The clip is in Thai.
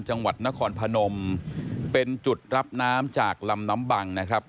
จังหวัดนครพนมเป็นจุดรับน้ำจากลำน้ำบังนะครับ